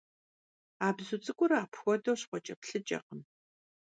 А бзу цӀыкӀур апхуэдэу щхъуэкӀэплъыкӀэкъым.